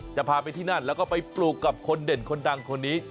จะพาไปที่นั่นแล้วก็ไปปลูกกับคนเด่นคนดังคนนี้